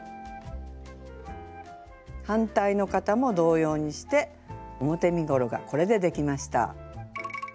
反対の肩も同様にして表身ごろがこれでできました。